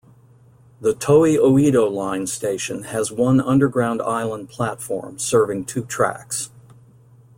The Toei Oedo Line station has one underground island platform serving two tracks.